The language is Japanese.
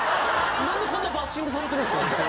なんでこんなバッシングされてるんですか？